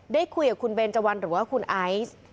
ได้คุยกับคุณเบนเจวันหรือว่าคุณไอซ์